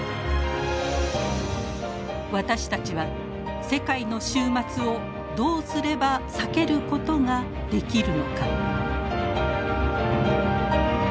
私たちは世界の終末をどうすれば避けることができるのか。